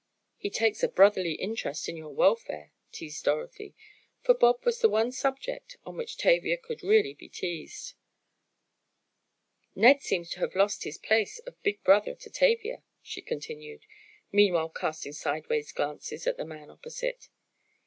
"He takes a brotherly interest in your welfare," teased Dorothy, for Bob was the one subject on which Tavia could really be teased. "Ned seems to have lost his place of big brother to Tavia," she continued, meanwhile casting sidewise glances at the man opposite.